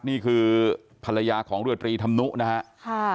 นี่คือภรรยาของเรือตรีธรรมนุนะฮะ